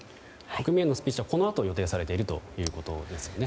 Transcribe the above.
国民へのスピーチはこのあと予定されているということですね。